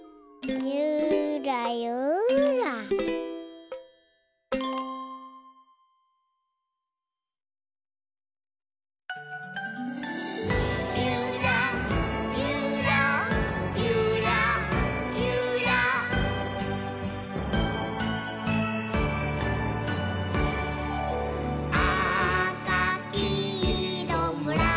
「ゆらゆらゆらゆら」「あかきいろむらさきしろ」